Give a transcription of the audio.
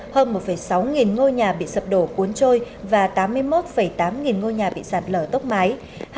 hơn một sáu nghìn ngôi nhà bị sập đổ cuốn trôi và tám mươi một tám nghìn ngôi nhà bị sạt lở tốc mái